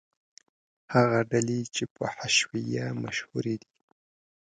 هغه ډلې چې په حشویه مشهورې دي.